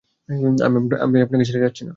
আমি আপনাকে ছেড়ে যাচ্ছিনা।